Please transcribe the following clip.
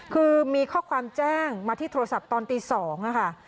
คือมีข้อความแจ้งมาที่โทรศัพท์ตอนตี๒ค่ะ